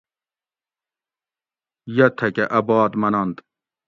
یہ تھہ کہ اۤ بات مننت